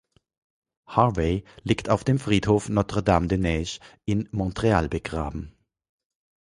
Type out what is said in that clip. Harvey liegt auf dem Friedhof Notre-Dame-des-Neiges in Montreal begraben.